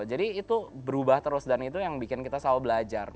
jadi itu berubah terus dan itu yang bikin kita selalu belajar